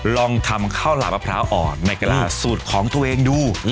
ลองทำข้าวหลาบมะพร้าวอ่อนในกระลาสูตรของตัวเองดู